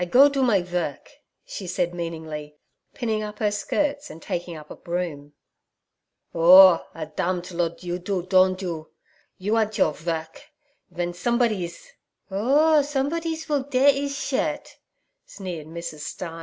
I go do my vork' she said meaningly, pinning up her skirts and taking up a broom. 'Orh, a damt lodd you do, dond you? You ant your vork. Ven somesbodies—' 'Orh, somesbodies will dare ees shirt' sneered Mrs. Stein.